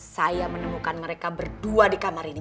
saya menemukan mereka berdua di kamar ini